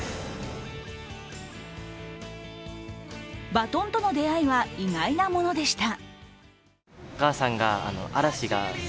バトンとの出会いは意外なものでした。